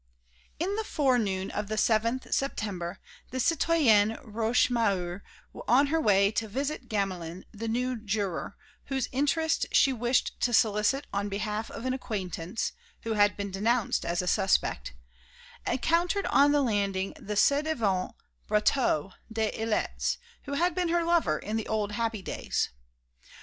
XI In the forenoon of the 7th September the citoyenne Rochemaure, on her way to visit Gamelin, the new juror, whose interest she wished to solicit on behalf of an acquaintance, who had been denounced as a suspect, encountered on the landing the ci devant Brotteaux des Ilettes, who had been her lover in the old happy days.